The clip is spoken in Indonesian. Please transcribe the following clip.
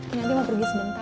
nanti mau pergi sebentar